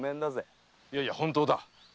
〔いやいや本当だ。